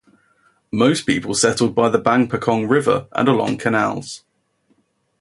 Most people settled by the Bang Pakong River and along canals.